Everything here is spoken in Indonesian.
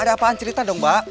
ada apaan cerita dong mbak